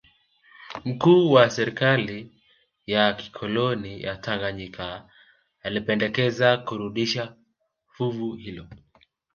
Mkuu wa serikali ya kikoloni ya Tanganyika alipendekeza kurudisha fuvu hilo